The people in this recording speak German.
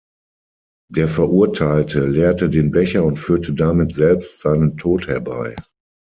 Der Verurteilte leerte den Becher und führte damit selbst seinen Tod herbei.